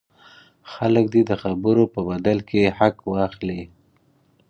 خلک دې د خبرو په بدل کې حق واخلي.